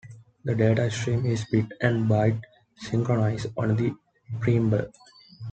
The data stream is bit and byte synchronized on the preamble.